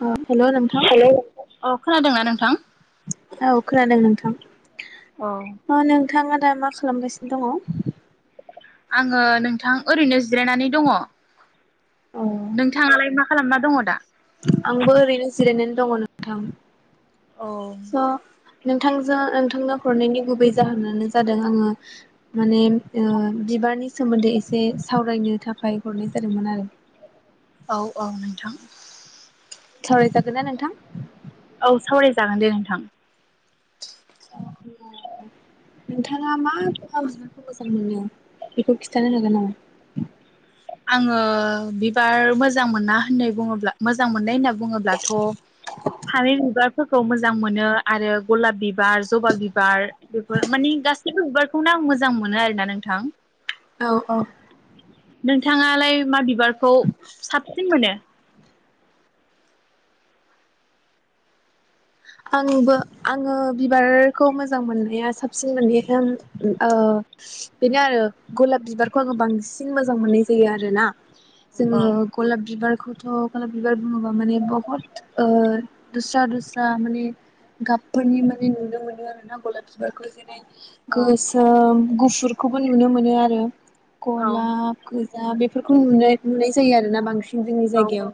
अ हेल' नोंथां अ खोनादोंना नोंथां औ खोनादों नोंथां अ नों थाङा दा मा खालामगासिनो दङ? आङो नोंथां ओरैनो जिरायनानै दङ। अ नोंथाङालाय मा खालामना दङ दा? आंबो ओरैनो जिरायनानै दङ। थां औ नोंथांजों नोंथांनो हरनायनि गुबै जाहोनानो जादों आङो माने ओ बिबारनि सोमोन्दै एसे सावरायनो थाखाय हरनाय जादोंमोन आरो औ औ नोंथां सावरायजागोनना नोंथां? औ सावरायजागोन दे नोंथां। नोंथाङा मा जारखौ मोजां मोनो बेखौ खिन्थानो हागोन नामा? आङो बिबार मोजां मोना होननाय बुङोब्ला मोजां मोननाय होनना बुङोब्लाथ थारै बिबारफोरखौ मोजां मोनो आरो गलाब बि बार जबा बिबार बेफोर माने गासैबो बिबारखौनो आं मोजां मोनो आरो ना नोंथां औ औ नोंथाङालाय माबि बिबारखौ साबसिन मोनो? आंबो आङो बिबार खौ मोजां मोननाया साबसिन मोनै खां ओ बेनो आरो गलाब बिबारखौ आङो बांसिन मोजां मोननाय जायो आरोना औ जोङो गलाब बिबार खौथ गबलाब बिबार बुङोबा माने बुहुत ओ दुस्रा दुस [unintelligible] गाबफोरनि माने नुनो मोनो आरो ना गलाब बिबारखौ जेरै गोसोम गुफुरखौबो नुनो मोनो आरो गलाब दा बेफोरखौ नुनाय नुनाय जायो आरो ना बांसिन जोंनि जायगायाव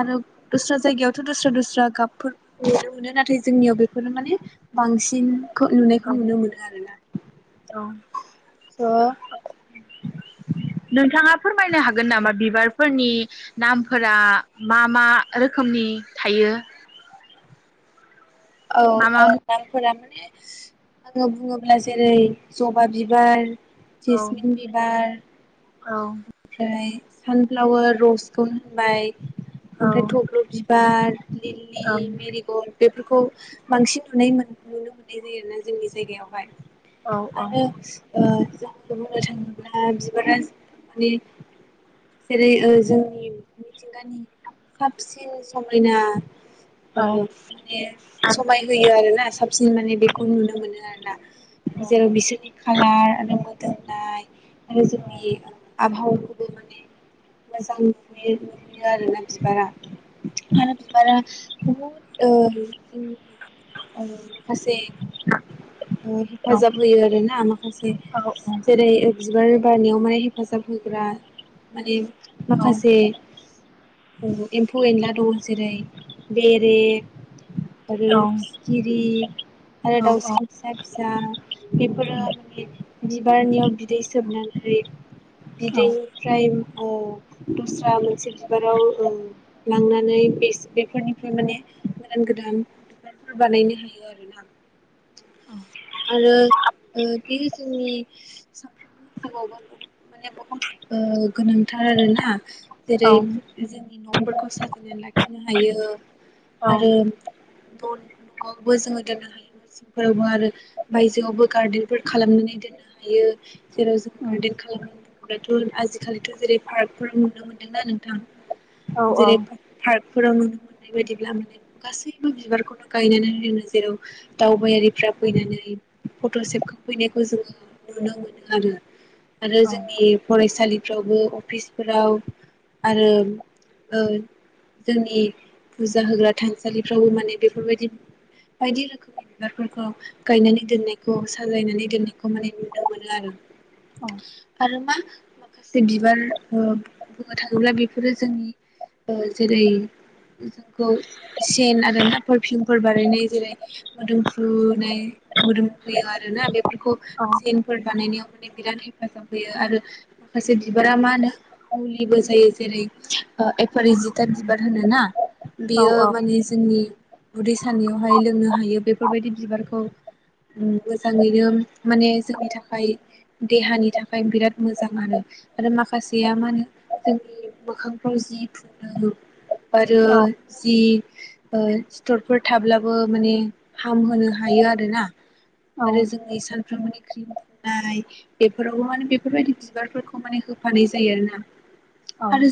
आरो दस्रा जायगायावथ दस्रा-दस्रा गाबफोर नुनों मोनो नाथाय जोंनियाव बेफोरनो माने बांसिन नुनायखौ नुनो मोनो आरोना स' औ नोंथाङा फोरमायनो हागोन नामा बिबार फोरनि नामफोरा मा मा रोखोमनि थायो? औ मा मा औ नामफोरा माने आङो बुङोब्ला जेरै जबा बिबार जेसमिन बिबार ओमफ्राय सानफ्लावार रसखौनो होनबाय ओमफ्राय थब्ल' बिबार लीली मेरिगल्द बेफोरखौ बांसिन नुनाय मोन नुनो मोननाय जायोना जोंनि जायगायावहाय आरो ओ जा बुंनो थाङोब्ला बिबारा माने जेरै ओ जोंनि मिथिंगानि साबसिन समायना औ माने खाय होयो आरो ना साबसिन माने बेखौ नुनो मोनो आरो ना। जेराव बिसोरनि खालार आरो मोदोमनाय आरो जोंनि आबहावा माने मोजां नुयो नुहैयो आरोना बिबारा आरो बिबारा बुहुद ओ जोंनि आयो माखासे ओ हेफाजाब होयो आरोना माखासे जेरै बिबार गावनियावहाय हेफाजाब होग्रा माने माखासे औ एम्फौ एनला दं जेरै बेरे आरो सिखिरि आरो दाउसिन फिसा फिसा बेफोरो माने बिबारनियाव बिदै सोबनानै बिदैनिफ्राय ओ दस्रा मोनसे बिबाराव ओ लांनानै बेस बेफोरनिफ्राय माने गोदान गोदान बिबारफोर बानायनो हायो आरोना आरो ओ बे जोंनि सामफ्रोमबोनि जिउआवबो बहु माने बहुत गोनांथार आरोना। जेरै जोंनि न'फोरखौ साजायनानै लाखि लाखिनो हायो । आरो न'आवबो जोङो दोननो हायो इसिंफोरावबो आरो बायजोआवबो गार्देनफोर खालामनानै दोननो हायो जेराव जों गार्देन खालामनानै बुङोब्लाथ' आजिखालिथ' जेरै पार्कफोराव नुनो मोन्दोंना नोंथां। जेरै फार फोराव नुनो मोननाय बायदिब्ला माने गासै बो बिबारखौनो गायनानै लोङो जेराव दावबायारिफ्रा फैनानै फट' सेबखांफैनायखौ जोङो नुनो मोनो आरो आरो जोंनि फरायसालिफ्रावबो अफिसफोराव आरो ओ जोंनि फुजा होग्रा थानसालि फोरावबो माने बेफोरबायदि बायदि रोखोमनि बिबारफोरखौ गायनानै दोननायखौ साजायनानै दोननायखौ माने नुनो मोनो आरो आरो मा माखासे बिबार ओ बुंनो थाङोब्ला बेफोरो जोंनि ओ जेरै जोंखौ सेन आरो ना पोरफिउमफोर बानायनाय जेरै मोदोमफ्रुनाय मोदोम फुयो आरोना बे फोरखौ सेन फोर बानायनायाव माने बिराद हेफाजाब होयो आरो माखासे बिबारा मा होनो मुलिबो जायो जेरै एफारि जिथा बिबार होनो ना? बियो बि जोंनि उदै सानाययावहाय लोंनो हायो बेफोरबायदि बिबारखौ उम मोजाङैनो माने जोंनि थाखाय देहानि थाखाय बिराद मोजां आरो आरो माखासेया मा होनो जोंनि मोखांफ्राव जि फुननो आरो जि ओ सिथ'रफोर थाब्लाबो माने हाम होनो हायो आरोना आरो जोंनि सानफ्रोमबोनि क्रिम फुननाय बेफोरावबो माने बेफोरबायदि बिबारफोरखौ माने होफानाय जायो आरोना आरो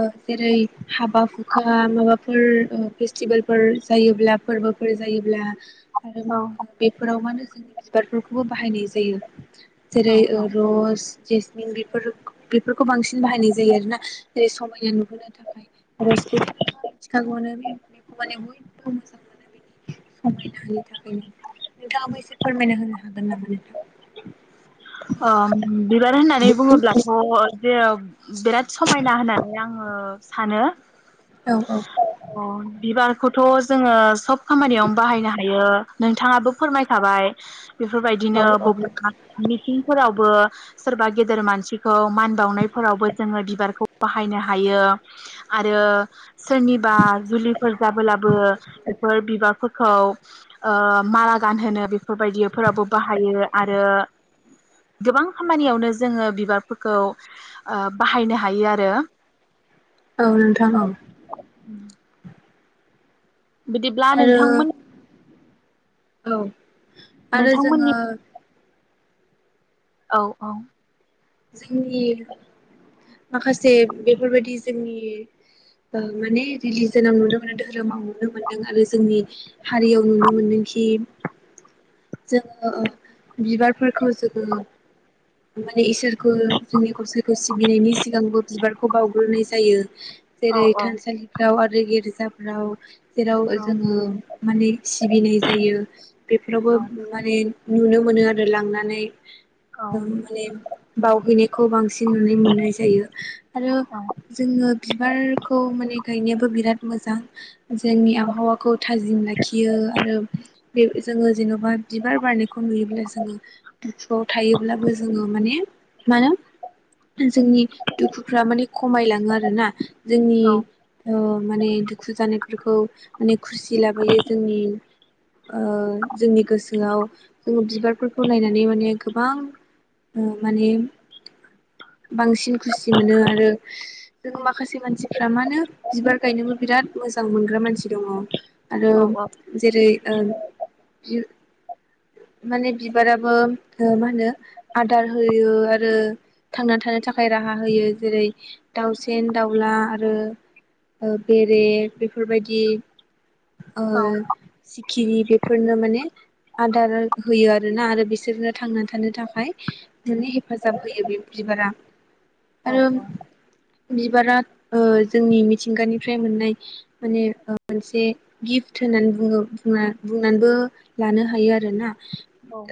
ओ जेरै हाबा हुखा माबा फोर ओ फेस्टिभेलफोर जायोब्ला फोरबोफोर जायोब्ला आरो मा बे फोराव मानो जों बिबारफोरखौबो बाहायनाय जायो जेरै ओ र'स जेसमिन बेफोर बेफोरखौ बांसिन बाहायनाय जायो आरोना जेरै समायना नुहोनो थाखाय रसफुट [unintelligible] नोंथाङाबो एसे फोरमायना होनो हागोन नामा नोंथां ओ बिबार होननानै बुङोब्लाथ' जेराव बिराद समाइना होननानै आङो ओ सानो। औ औ बिबार खौथ' जोङो सब खामानियाव बाहायनो हायो नोंथाङाबो फोरमायखाबाय बेफोरबायदिनो औ औ [unintelligible] फोरावबो सोरबा गेदेर मानसिखौ मान बावनायफोरावबो जोङो बिबारखौ बाहायनो हायो आरो सोरनिबा जुलिफोर जाबोलाबो बेफोर बिबारफोरखौ ओ माला गानहोनो बेफोरबायदि फोरावबो बाहायो आरो गोबां खामानियावनो जोङो बिबारफोरखौ ओ बाहायनो हायो आरो औ नोंथां औ। बिदिब्ला आरो नोंथांमोन औ आरो जोङो नोंथांमोननि औ औ। जोंनि माखासे बेफोरबायदि जोंनि ओ माने रिलिजोनाव नुनो मोनो दोहोरोमाव नुनो मोनदों आरो जोंनि हारियाव नुनो मोनदों खि जोङो ओ बिबारफोरखौ जोङो माने इसोर [unintelligible] जोंनि गसाइखौ सिबिनायनि सिगांबो बिबारखौ बावग्रोनाय जायो जेरै थानसालिफ्राव आरो [unintelligible] जेराव जोङो माने सिबिनाय जायो बेफोरावबो माने नुनो मोनो आरो लांनानै [unintelligible] माने बहैैनायखौ बांसि [unintelligible] मोननाय जायो आरो जोङो बिबारखौ माने गायनायाबो बिराद मोजां जोंनि आबहावाखौ थाजिम लाखियो आरो बे जोङो जेन'बा बिबार बारनायखौ नुयोब्ला जोङो दुखुआव थायोब्लाबो जोङो माने मानो जोंनि दुखुफ्रा माने खमायलाङो आरोना। जोंनि अ माने दुखु जानायफोरखौ माने खुसि ‌लाबोयो जोंनि ओ जोंनि गोसोआव जोङो बिबारफोरखौ नायनानै माने गोबां ओ माने बांसिन खुसि मोनो आरो जोङो माखासे मानसिफ्रा मानो बिबार गायनोबो बिराद मोजां मोनग्रा मानसि दङ आरो औ औ जेरै ओ [unintelligible] माने बिबाराबो ओ मा होनो आदार होयो आ रो थांना थानो थाखाय राहा होयो जेरै दाउसेन दाउला आरो ओ बेरे बेफोरबायदि ओ औ खिरि बेफोरनो माने आदार होयो आरोना आरो बिसोरनो थांनानै थानो थाखाय माने फाजाब होयो बे बिबारा औ आरो औ बिबारा ओ जोंनि मिथिंगानिफ्राय मोननाय माने [unintelligible] मोनसे गिफ्ट होननानै बुङो बुङा बुंनानबो लानो हायो आरोना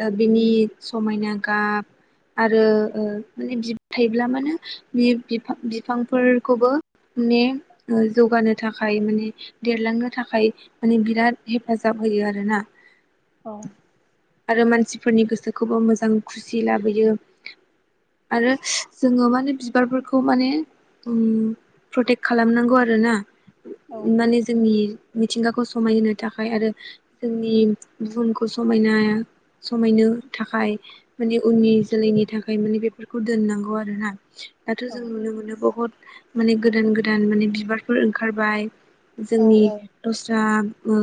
ओ बिनि समाइना गाब आरो ओ माने बिब थायोब्ला मानो बे बिफां बिफांफोरखौबो माने जौगानो थाखाय माने देरलांनो थाखाय माने बिराद हेफाजाब होयो आरोना। औ आरो मानसिफोरनि गोसोखौबो मोजां खुसि लाबोयो आरो जोङो माने बिबारफोरखौ माने प्रटेक्ट खालामनांगौ आरो ना। माने जोंनि मिथिंगाखौ समायहोनो थाखाय आरो जोंनि बुहुमखौ समायना समायनो थाखाय माने उननि जोलैनि थाख [unintelligible] माने बेफोरखौ दोननांगौ आरो ना दाथ' जों नुनो मोनो बहत माने गोदान गोदान माने बिबारफोर ओंखारबाय जोंनि दस्रा ओ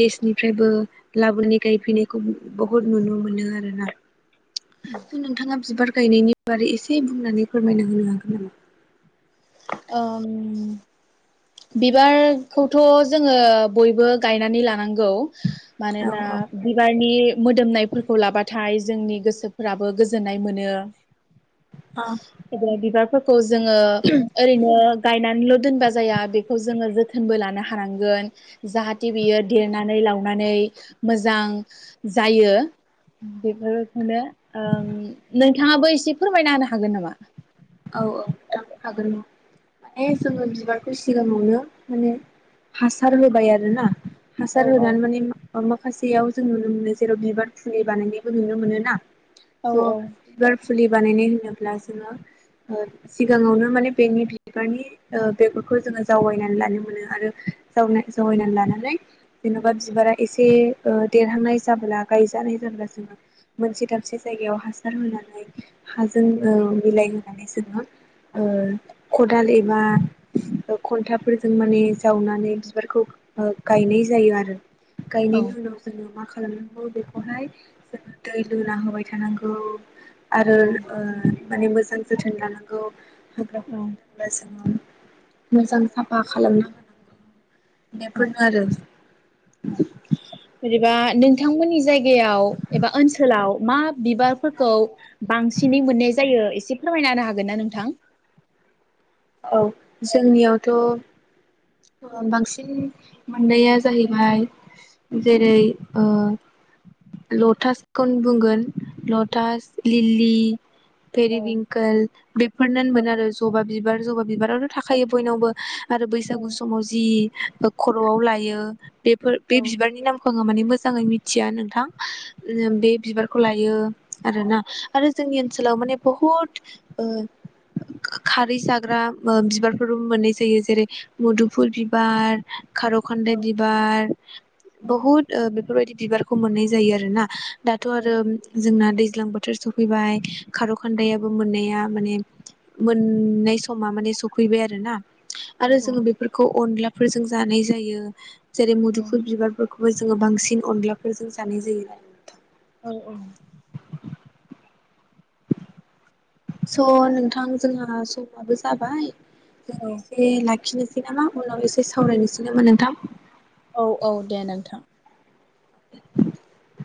देशनिफ्रायबो [unintelligible] गायफैनायखौबो बहुद नुनो मोनो आरोना । स' नोंथाङा बिबार गायनायनि बारै एसे बुंनानै फोरमायना होनो हागोन नामा? ओम बिबारखौथ' जोङो बयबो गायनानै लानांगौ । औ मानोना औ बिबारनि मोदोमनायफोरखौ लाबाथाय जोंनि गोसोफोराबो गोजोननाय मोनो। औ ओ बिबारफोरख जोङो ओरैनो गायना ल' दोनबा जाया बेखौ जोङो जोथोनबो लानो हानांगोन जाहाते बियो देरनानै लावनानै मोजां जायो बेफोरखौनो ओम नोंथाङाबो एसे फोरमायना होनो हागोन नामा? औ-औ थां हागोन माने जोङो बिबारखौ सिगाङावनो माने हासार होबाय आरोना। औ हासार औ [unintelligible] माखासेयाव जों नुनो मोनो जेराव बिबार फुलि बानायनायबो नुनो मोनो ना । [unintelligible] फुलि बानायनाय होनोब्ला जोङो ओ सिगाङावनो माने बेनि बिबारनि ओ बेगरखौ जोङो जावायनानै लानो मोनो आरो [unintelligible] जावायनानै लानानै जेन'बा बिबारा एसे ओ देरहांनाय जाबोला गायजानाय जाब्ला जोङा मोनसे दाबसे जायगायाव हासार होनानै हाजों ओ मिलायह नानै जोङो ओ खदाल एबा ओ खन्थाफोरजों माने जावनानै बिबारखौ ओ गायनाय जायो आरो । गायनायनि उनाव जोङो मा खा [unintelligible] बेखौहाय जोङो दै लुना होबाय थानांगौ । आरो ओ माने मोजां जोथोन लानांगौ । [unintelligible] मोजां साफा खालामना [inaudible] [inaudible] आरो। जेनेबा नोंथांमोननि जायगायाव एबा ओनसोलाव मा बिबारफोरखौ बांसिनै मोननाय जायो एसे फोरमायनाानो हागोन ना नोंथां? औ जोंनियावथ' बांसिन मोननाया जाहैबाय जेरै ओ [unintelligible] बुंगोन लटास, लिलि, पेरि बिंकोल बेफोरननो मोन आरो जबा बिबार। जबा बिबाराथ' थाखायो बयनावबो। आरो बैसागु समाव जि खर'आव लायो बे फोर बिबारनि नामखौ आङो माने मोजाङै मिथिया नोंथां। ओम बे बिबारखौ लायो आरोना। आरो जोंनि ओनसोलाव माने बुहुत ओ खारै जा ग्रा बिबारफोरबो मोननाय जायो। जेरै मुदुफुल बिबार, खार'खान्दाय बिबार बुहुद ओ बेफोरबायदि बिबारखौ मोननाय जायो आरोना। दाथ' आरो जोंना दै ज्लां बोथोर सफैबाय खार'खान्दायाबो मोननाया माने मोननै समा सफैबाय आरोना। आरो जों बेफोरखौ अनला फोरजों जानाय जायो। जेरै मुदुफुर बिबारफोर खौबो जोङो बांसिन अनलाफोरजों जानाय जायो आरो नोंथां। औ औ। स' नोंथां जोंहा समाबो जाबाय जों एसे लाखिनो [unintelligible] उनाव एसे सावरायनोसै नामा नोंथां? औ औ दे नोंथां। [inaudible]